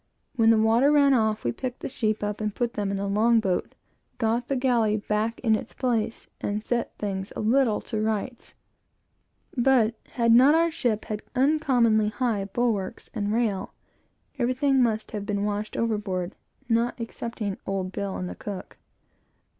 When the water ran off, we picked the sheep up, and put them in the long boat, got the galley back in its place, and set things a little to rights; but, had not our ship had uncommonly high bulwarks and rail, everything must have been washed overboard, not excepting Old Bill and the cook.